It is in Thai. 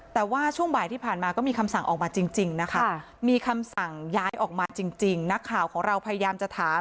แต่ว่าช่วงบ่ายที่ผ่านมาก็มีคำสั่งออกมาจริงนะคะมีคำสั่งย้ายออกมาจริงนักข่าวของเราพยายามจะถาม